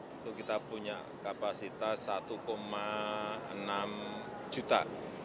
itu kita punya kapasitas satu enam juta